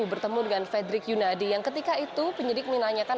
bertemu dengan frederick yunadi yang ketika itu penyidik menanyakan